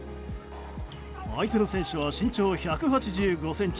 相手の選手は身長１８５ｃｍ。